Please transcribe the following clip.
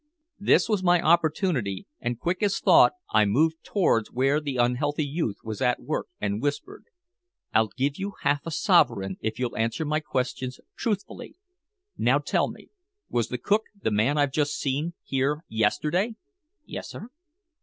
This was my opportunity, and quick as thought I moved towards where the unhealthy youth was at work, and whispered: "I'll give you half a sovereign if you'll answer my questions truthfully. Now, tell me, was the cook, the man I've just seen, here yesterday?" "Yes, sir."